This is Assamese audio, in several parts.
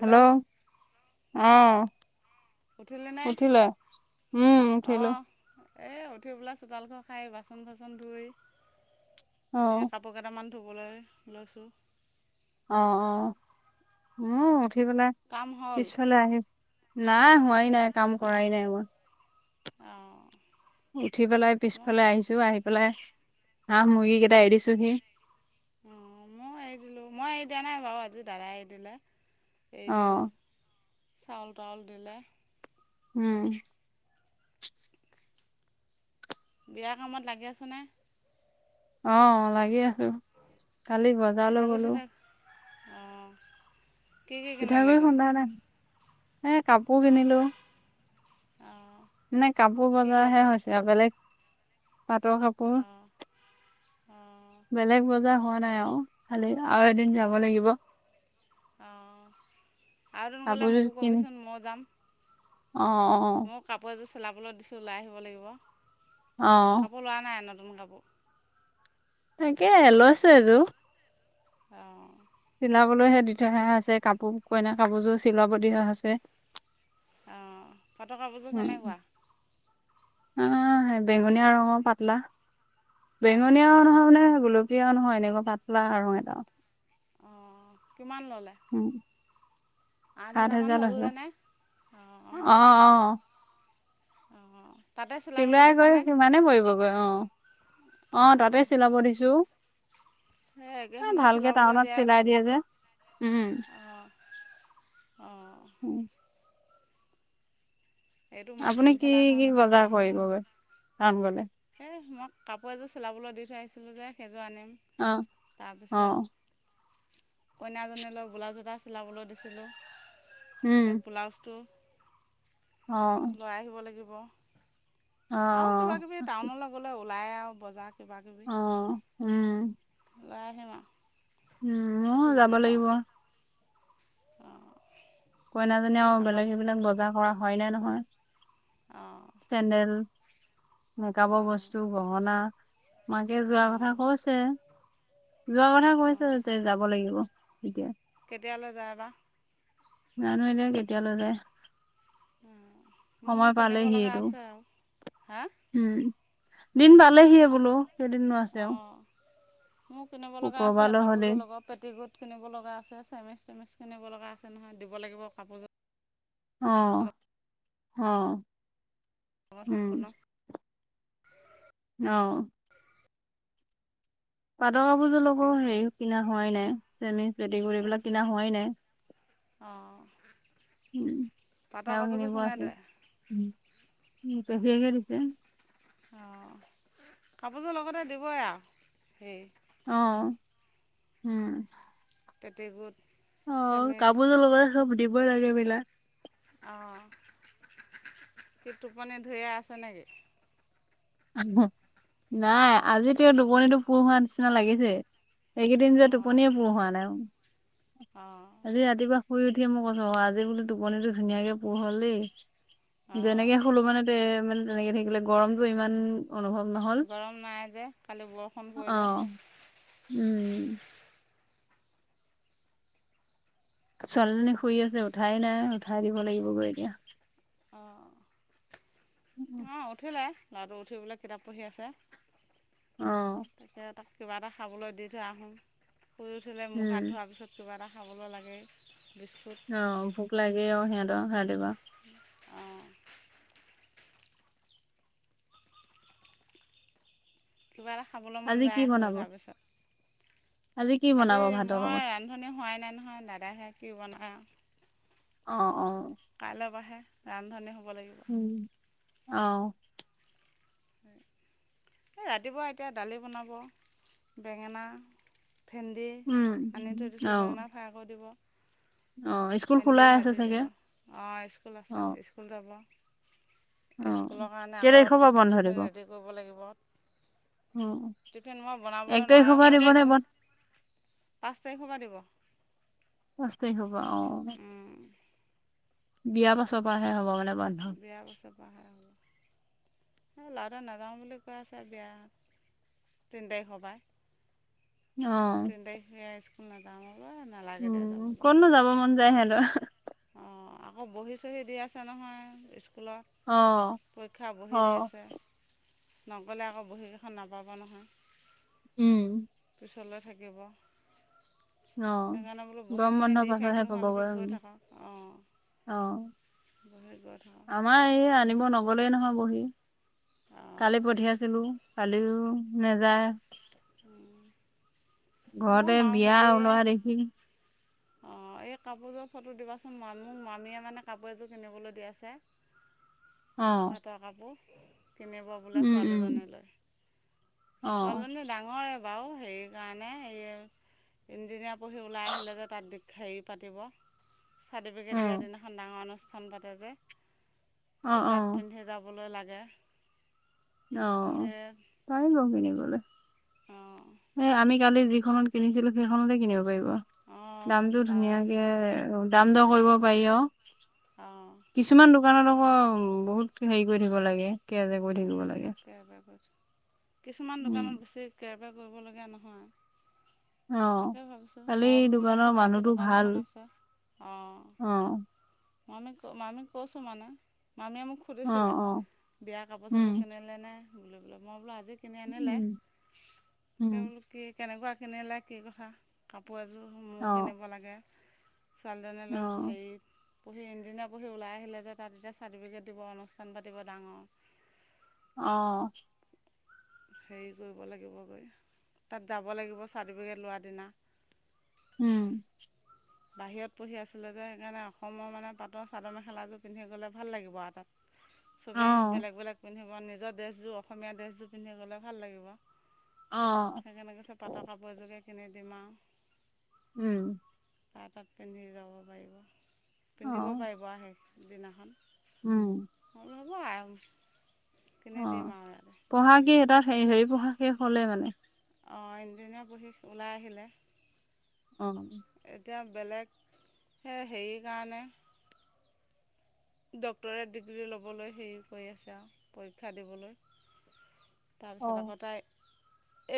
হেল্ল' আহ উঠিলেনে উঠিলা উম উঠিলো। অঁ এই উঠি পেলাই চোতালখন খাই- বাচন চাচন ধুই, অ এতিয়া কাপোৰ কেইটামান ধুবলৈ লৈছোঁ। অ অ উম উঠি পেলাই কাম হ'ল পিছফালে আহিম। নাই হোৱাই নাই কাম কৰাই নাই আমাৰ। অঁ উঠি পেলাই মই পিছফালে আহিছো আহি পেলাই হাঁহ মুৰ্গী কেইটা এৰি দিছোহি। অ মই এৰি দিলো মই এ দিয়া নাই বাৰু আজি দাদাই এৰি দিলে। অ এইদ চাউল তাউল দিলে। উম। বিয়া কামত লাগি আছেনে? আহ লাগি আছো, কালি বজাৰলৈ গলো। আহ। পিঠাগুৰি খুন্দা নাই, এ কাপোৰ কিনিলো। অঁ মানে কাপোৰ কি বজাৰ হে কাপোৰ হৈছে আৰু বেলেগ পাটৰ কাপোৰ। অঁ অঁ বেলেগ বজাৰ হোৱা নাই আৰু খালি আৰু এদিন যাব লাগিব। অ আৰু এদিন গলে কাপোৰযোৰ মোকো কিনি কবিচোন মই যাম। অ অ। চিলাবলৈত দিছোঁ ওলাই আহিব লাগিব, অ কাপোৰ লোৱা নাই নতুন কাপোৰ। তাকে লৈছোঁ এযোৰ। অ। চিলাবলৈহে দি থই হৈছে কাপোৰ কইনা কাপোৰযোৰ চিলাব দিয়া হৈছে। অঁ পাতকাপোৰযোৰ কেনেকুৱা? আহ সেই বেঙুনীয়া ৰঙৰ পাতলা বেঙুনীয়া অঁ নহয় মানে বোলো। য়া নহয় এনেকুৱা পাতলা আৰু এটাও অঁ কিমান ল'লে! আঠ সাত হোজাৰমান হেজাৰ লৈছে ল'লেনে অঁ। অ' অ' অ চিলাই গৈ সিমানেই পৰিবগৈ অ অ তাতে চিলাব দিছো। এই এ এককেইখনতে ভালকে চিলাবলৈ টাউনত দিয়াই চিলাই ভাল দিয়ে যে উম অঁ। অঁ উম এইটো মই আপুনি কি যোনফালে আহো কি সেইফালে বজাৰ আহে কৰিবগৈ টাউন গলে এ মই কাপোৰ এযোৰ চিলাবলৈ দি থৈছিলোঁ যে সেইযোৰ আনিম অ' তাৰপিছত অ' কইনাজনী লগ ব্লাউজ এটা চিলাবলৈ দিছিলোঁ উম সেই ব্লাউজটো অ' লৈ আহিব লাগিব। আৰু কিবা অ' কিবি টাউনলৈ গ'লে ওলাই আৰু বজাৰ। কিবা কিবি অ, উম। লৈ আহিম আও। উম ময়ো যাব লাগিব। অঁ কইনাজনী আৰু আকৌ বেলেগ সেইবিলাক বজাৰ কৰা হোৱাই নাই নহয়, অঁ চেন্ডেল। মেকআপৰ অঁ বস্তু, গহনা, মাকে যোৱা অঁ কথা কৈছে। যোৱা কথা কৈছে অঁ যেতিয়াই যাব লাগিব এতিয়া কেতিয়ালৈ যায় বা জানো এতিয়া কেতিয়ালে যায়। উম, মোৰ সময় কিনিব লগা পালেহিয়েতো আছে আৰু, হা উম দিন পালেহিয়ে বোলো কেইদিন নো আছে আৰু। অঁ মোৰ কিনিব লগা আছে শুক্ৰবাৰলৈ হ'লেই কাপোৰযোৰ লগত পেটিকোট কিনিব লগা আছে চেমিচ টেমিচ। কিনিব লগা আছে নহয় দিব লাগিব কাপোৰযোৰ অ, অ। লগৰ উম সম্পূৰ্ণ অ। [unintelligible] লাগিব। হেৰি কিনা হোৱাই নাই চেমিচ পেটিকোত এইবিলাক কিনা হোৱাই নাই। অ' উম, সেয়াও কিনিব আছে ধৰে উম পেহিয়েকে দিছিল। অ', কাপোৰযোৰ লগতে দিবই আৰু হেই অ', উম। পেটিকোত অ, কাপোজোৰ লগতে চব দিবই লাগে এইবিলাক অ, কি টোপনি ধৰিয়ে আছে নেকি? অ', নাই আজি তেওঁ টোপনিটো পুৰ হোৱাৰ নিচিনা লাগিছে। এইকেইদিন যে অঁ টোপনিয়ে পুৰ হোৱা নাই আওঁ অঁ আজি ৰাতিপুৱা শুই উঠিয়ে মই কৈছো অ' আজি বোলো টোপনি টো ধুনীয়াকে পুৰ হল দেই। অঁ যেনেকে হলো মানে তে মানে তেনেকে থাকিলে গৰমতটো ইমান [unintelligible] অনুভৱ নহ'ল গৰম নাই যে কালি বৰষুণ পৰিলে অ' উম। ছোৱালীজনী শুই আছে, উঠাই নাই উঠাই দিব লাগিব গৈ এতিয়া। অ, অ' উঠিলে ল'ৰাটো উঠি পেলাই কিতাপ পঢ়ি আছে। অ। তাকে তাক কিবা এটা খাবলৈ দি থৈ আহোঁ, শুই উঠিলে মুখ হাত উম ধোৱাৰ পিছত কিবা এটা খাবলৈ লাগেই। বিস্কুট অ, ভোক লাগে অ' সিহঁতৰ সিহঁতি বা [unintelligible] অঁ কিবা এটা খাবলৈ মন আজি কি যায় শুই বনাব উঠাৰ পিছত কি বনাব আজি ভাতৰ মই লগত ৰান্ধনী হোৱাই নাই নহয় দাদাহে কি বনায়। অ অ'। কাইলৈৰ পৰাহে ৰান্ধনি হ'ব লাগিব। উম অ'। এই ৰাতিপুৱা এতিয়া দালি বনাব, বেঙেনা ভেন্দি উম, আনি থৈ অ, দিছোঁ, বেঙেনা ফ্ৰাই কৰি দিব। অ, স্কুল ভেন্দি খোলাই আছে ভাজি চাগে? দিব। অ, স্কুল অ, আছে স্কুল যাব। অ কে তাৰিখৰ পৰা টিফেন বন্ধ চিফিন দিব? ৰেডি কৰিব লাগিব। অ, টিফিন মই এক বনাবলৈ নোৱাৰা তাৰিখৰ পৰা হৈ দিব নে আছো যে, বন্ধ? পাঁচ তাৰিখৰ পৰা দিব। অ পাঁচ তাৰিখৰ পৰা অ', বিয়াৰ পাছৰ পৰাহে হ'ব মানে বন্ধ। বিয়া পাছৰ পৰা হ'ব লৱাটোয়ে নাযাওঁ বুলি কৈ আছে এতিয়া তিনি তাৰিখৰ পৰা অ, তিনি তাৰিখে স্কুল নেযাওঁ উম কতনো যাব মন যায় হেঁত অ আকৌ বহি চহি দি আছে নহয় স্কুলত অ, পৰীক্ষা বহি দি অ, আছে নগ'লে আকৌ বহীকেইখন নাপাব নহয় উম চলি থাকিব অ সেইকাৰণে বোলো গৰম বহীখিনি বন্ধৰ দি শেষ পাছতহে পাব নোহোৱালৈকে গৈ উম থাকক অঁ অ বহী গৈ থাকক আমাৰ এই আনিব নগলেই নহয় বহি কালি অঁ পঠিয়াইছিলো কালিও নেযায় উ ঘৰতে বিয়া ওলোৱা দেখি অ এই কাপোৰৰ ফটো দিবাচোন ম মোৰ মামীয়ে মানে কাপোৰ এযোৰ কিনিবলৈ দি আছে অ, পাটৰ কাপোৰ কিনিব বোলে উম, উম, ছোৱালীজনীলৈ অ, ছোৱালীজনী ডাঙৰে বাৰু সেইকাৰণে এ ইঞ্জিনিয়াৰ পঢ়ি ওলাই আহিলে যে তাত হেৰি পাতিব চাৰ্টিফিকেট উম, দিয়াৰ দিনাখন ডাঙৰ অনুষ্ঠান পাতে অ যে অ তাত পিন্ধি যাবলৈ লাগে অ সেয়ে পাৰিব কিনিবলে অঁ এ আমি কালি যিখনত কিনিছিলো সেইখনতে কিনিব পাৰিব অঁ দামতো তাৰ ধুনীয়াকে দাম দৰ কৰিব পাৰি অ অঁ কিছুমান দোকানত আকৌ উম বহুত হেৰি কৰি থাকিব লাগে কেজে কৰি থাকিব লাগে কেৰবেৰ কিছুমান উম দোকানত বেছি কেৰ পেৰ কৰিবলগীয়া অ নহয় তাকে ভাবিছোঁ কালি মই বোলো মোৰ দোকানৰ চিনাকি মানুহতো দোকান ভাল এখন আছে অ মামি মামিক কৈছো মানে মামীয়ে মোক অ সুধিছিলে অ বিয়া কাপোৰ উম চাপোৰ কিনিলে নে নাই বোলে মই বোলো আজি কিনি আনিলে উম উম কি কেনেকোৱা কিনিলে কি কথা কাপোৰ কাপোৰ এযোৰ মোৰ অ কিনিব লাগে ছোৱালীজনী অ লৈ হেৰি পঢ়ি ইঞ্জিনিয়াৰ পঢ়ি ওলাই আহিলে যে তাত এতিয়া চাৰ্টিফিকেট দিব অনুষ্ঠান পাতিব ডাঙৰ কে অহ হেৰি কৰিব লাগিব গৈ তাত যাব লাগিব চাৰ্টিফিকেট লোৱাৰ দিনা উম বাহিৰত পঢ়ি আছিলে যে সেইকাৰণে অসমৰ মানে পাটৰ চাদৰ মেখেলাযোৰ পিন্ধি গলে ভাল লাগিব আৰু তাত অ চবেই বেলেগ বেলেগ পিন্ধিব নিজৰ ড্ৰেছযোৰ অসমীয়া ড্ৰেছযোৰ পিন্ধি গ'লে ভাল লাগিব অ সেইকাৰণে কৈছে পাটৰ কাপোৰ এজোকে কিনি দিম আৰু উম তাৰ তাত পিন্ধি যাব পাৰিব অ পিন্ধিব পাৰিব হেই দিনাখন উম সেয়াই কিনি অ দিম আৰু পঢ়া কি এটা হেৰি পঢ়া শেষ হলে মানে অঁ ইঞ্জিনিয়াৰ পঢ়ি ওলাই আহিলে অ এতিয়া বেলেগে হে হেৰি কাৰণে ডক্টৰেট ডিগ্ৰী ল'বলৈ হেৰি কৰি আছে আৰু পৰীক্ষা দিবলৈ অ'। তাৰপিছত আকৌ তাই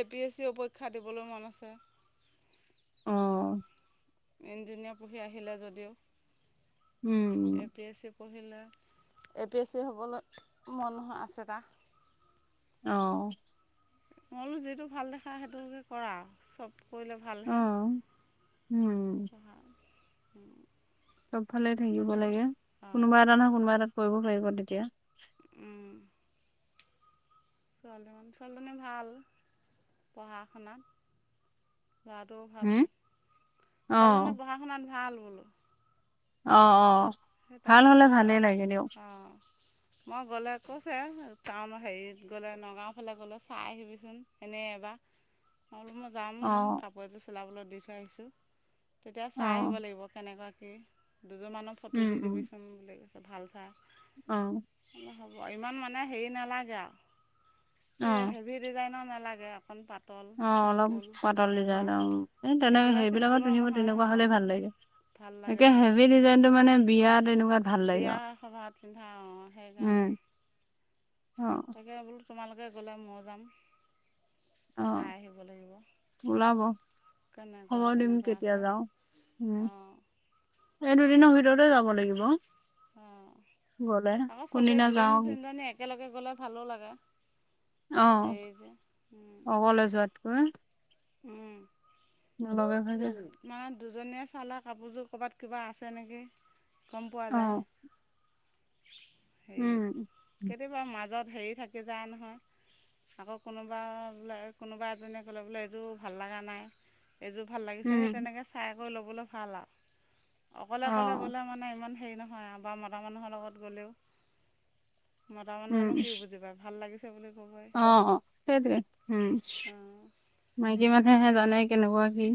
এ পি এছ চিও পৰীক্ষা দিবলৈ মন আছে অ'। ইঞ্জিনিয়াৰ পঢ়ি আহিলে যদিও। উম। দিলে এ পি এছ চি হ'বলৈ মন আছে তাৰ। অ'। মইবোলো যিটো ভাল দেখা সেইটোকে কৰা, চব কৰিলে ভালহে। অ', উম, চবফালে থাকিব তাকে লাগে, কোনোবা অঁ এটা নহয় কোনোবা এটাত কৰিব পাৰিব তেতিয়া। উম। ছোৱালীমানুহ ছোৱালীজনী ভাল পঢ়া শুনাত। ল'ৰাটোও ভাল, হুম, ছোৱালীজনী অ', পঢ়া শুনাত ভাল। বোলো অ'- অ'। সেই ভাল তাকে হ'লে বুলো ভালেই ল'ৰা, লাগে দিয়ক, অ'। মই গ'লে কৈছে টাউন হেৰিত গ'লে নগাঁও ফালে গ'লে চাই আহিবিচোন এনেই এবাৰ। [unintelligible] মই বোলো যাম অ', কাপোৰ এযোৰ চিলাবলৈ দি থৈ আহিছোঁ, তেতিয়া চাই আহিব অ', লাগিব কেনেকুৱা কি দুযোৰমানৰ ফটো উম, দি উম, দিবিচোন বুলি কৈছে ভাল চাই। অ'। বোলো হ'ব ইমান মানে হেৰি নালাগে আৰু এই অ'। হেভি ডিজাইনৰ নালাগে অকণ পাত অ', অলপ পাতল ডিজাইন আৰু, এ তেনে একেবাৰে সেইবিলাকত চিম্পুলো পিন্ধিব নহয় তেনেকুৱা হ'লে অঁ ভাল লাগে। ভাল লাগে এতিয়া তেতিয়া হেভি ডিজাইনটো মানে বিয়া তেনেকুৱাত ভাল লাগে বিয়া আৰু, সভাত পিন্ধা অ' সেইকাৰণে। উম, অ', তাকে বোলো তোমালোকে গ'লে মওঁ যাম। চাই অ'। আহিব লাগিব। ওলাব, খবৰ দিম কেনেকুৱা-কেনেকুৱা কেতিয়া আছে, অ'। এ দুদিনৰ ভি তে যাব লাগিব, অঁ গ'লে আকৌ চবেই কোনদিনা দুজনী যাও তিনিজনী একেলগে গ'লে ভালো লাগে। অ', হেৰি যে অকলে যোৱাতকৈ। উম। [unintelligible] মানে দুজনীয়ে চালে কাপোৰযোৰ ক'ৰবাত কিবা আছে নেকি গম পোৱা অ যায়। হেৰিত উম কেতিয়াবা মাজত হেৰি থাকি যায় নহয়। আকৌ কোনোবা বোলে কোনোবা এজনীয়ে ক'লে বোলে এইযোৰ ভাল লগা নাই, এইযোৰ ভা সেই উম তেনেকে চাই কৰি ল'বলৈ ভাল আৰু অকলে- অ অকলে গ'লে মানে ইমান হেৰি ন হয় বা মতা মানুহৰ লগত গ'লেও মতা উম মানুহেনো কি বুজি পায় ভাল লাগিছে বুলি ক'বই অ', সেইটোৱেই, উম। অঁ মাইকী সেইকাৰণে মানুহেহে জানে কেনেকুৱা কি।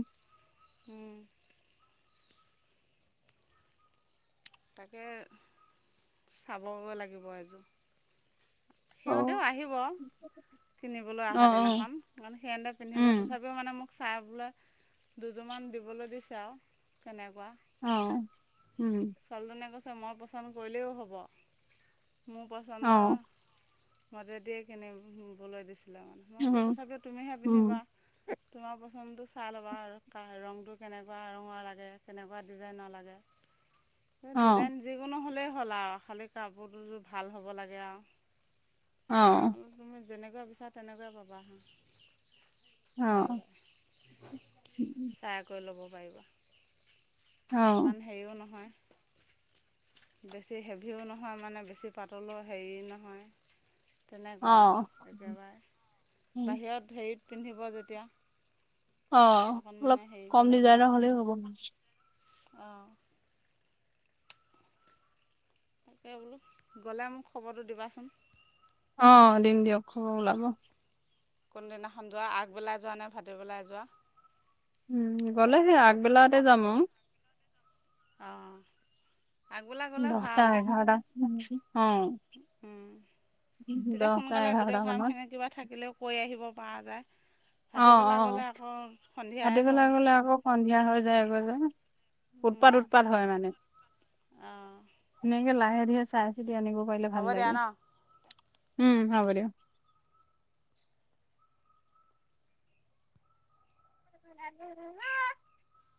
উম্। তাকে চাবগৈ লাগিব এযোৰ। অ সিহঁতেও আহিব। কিনিবলৈ অ অহা অ দিনাখন, কাৰণ সিহঁতে পিন্ধিব উম তথাপিও মানে মোক চাই বোলে দুযোৰমান দিবলৈ দিছে আৰু কেনেকুৱা। অ', উম। ছোৱালীজনীয়ে কৈছে মই পচন্দ কৰিলেও হ'ব মোৰ অ পচন্দৰ মাজেদিয়ে কিনিবলৈ দিছিলে মানে মই বোলো উম তথাপিও তুমিহে উম পিন্ধিবা। তোমাৰ পচন্দটো চাই ল'বা আৰুা ৰংটো কেনেকুৱা ৰঙৰ লাগে কেনেকুৱা ডিজাইনৰ লাগে। [inaudible] মোৰ অ ডিজাইন যিকোনো হ'লেই হ'ল আৰু খালী কাপোৰদুযোৰ ভাল হ'ব লাগে আৰু। অ যেনেকৈ বিচাৰা তেনেকৈ পাবা হা অ চাইলও‌ চাইকৈ ল'ব পাৰিবা। অ ইমান হেৰিও নহয় বেছি হেভিও নহয় মানে বেছি পাতলও হেৰি নহয় অ তেনেকুৱা আৰু একেবাৰে বাহিৰত হেৰিত পিন্ধিব যেতিয়া অ অকণ মানে অলপ কম ডিজাইনৰ হলেও হ'ব মানে অ তাকে বোলো গ'লে মোক খবৰটো দিবাচোন অ দিম দিয়ক খবৰ ওলাব কোনোদিনাখন যোৱা আগবেলাই যোৱা নে ভাটবেলাই যোৱা উম গ'লেহেই আগবেলাতে যাম অ অ দহটা এঘৰটা অ তেতিয়া দহটা সোনকালে এঘাৰটা গোটেই মানত কামখেনি কিবা থাকিলেও কৰি আহিব পৰা যায়। অ ভাটিবেলা অ গ'লে আকৌ সন্ধিয়াই ভাটবেলা হয় গলে আকৌ সন্ধিয়া হৈ যায় গৈ যে উৎপাত উৎপাত হয় মানে অঁ সেনেকে লাহে লাহে চাই চি আনিব পাৰিলে ভাল হ'ব দিয়া লাগে ন উম হব দিওঁক [unintelligible]